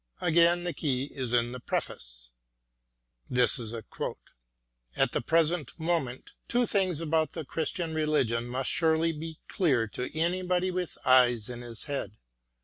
Again the key is in the preface : At the present moment two things atiout the Christian religion must surely be dear to anybody with eyes in his head.